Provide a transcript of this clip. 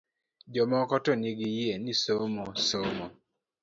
Jomoko to nigi yie ni somo somo